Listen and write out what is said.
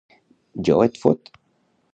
Jo et fot!